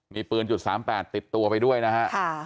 มีปืนจุดสามแปดติดตัวไปด้วยนะฮะ